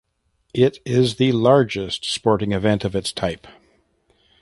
It is the largest sporting event of its type.